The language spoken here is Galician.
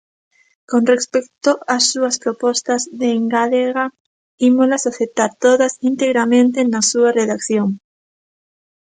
Con respecto ás súas propostas de engádega, ímolas aceptar todas integramente na súa redacción.